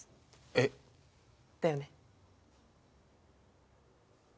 えっ？だよね？